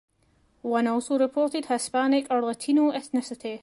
One also reported Hispanic or Latino ethnicity.